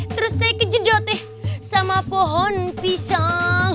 terus saya kejejot deh sama pohon pisang